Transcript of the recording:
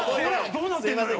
どうなってるのよ？